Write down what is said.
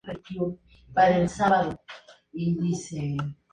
Está rodeada de santos.